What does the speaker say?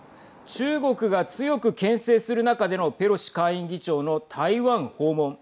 中国が強くけん制する中でのペロシ下院議長の台湾訪問。